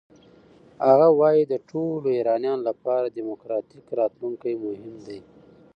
هغه وايي د ټولو ایرانیانو لپاره دموکراتیک راتلونکی مهم دی.